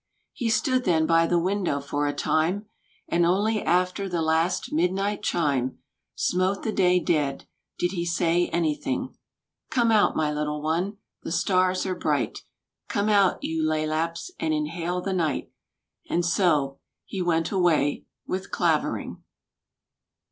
He stood then by the window for a time. And only after the last midnight chime Smote the day dead did he say anything: "Come out, my little one, the stars are bright; Come out, you laelaps, and inhale the night/* And so he went away with Clavering.